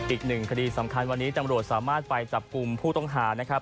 อีกหนึ่งคดีสำคัญวันนี้ตำรวจสามารถไปจับกลุ่มผู้ต้องหานะครับ